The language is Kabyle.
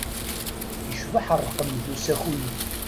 Icbeḥ ṛṛqem n usaku-nni.